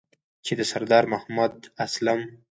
چې د سردار محمد اسلام